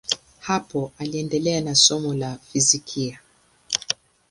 Hapo aliendelea na somo la fizikia.